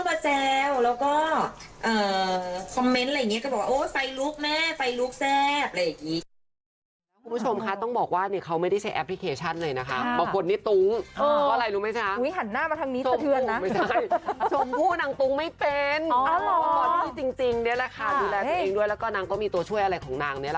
เพื่อนก็เข้ามาแซวแล้วก็คอมเมนต์อะไรอย่างนี้